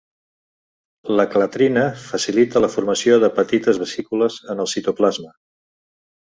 La clatrina facilita la formació de petites vesícules en el citoplasma.